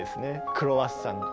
クロワッサンと。